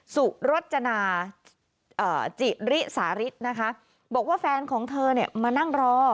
สุรจนาจิริสาริตนะคะบอกว่าแฟนของเธอเนี่ยมานั่งรอ